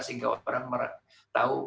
sehingga orang orang tahu